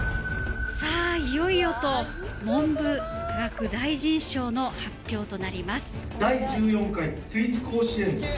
いよいよ文部科学大臣賞の発表となります。